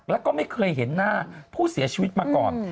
แล้วก็ไม่เคยเห็นหน้าผู้เสียชีวิตมาก่อน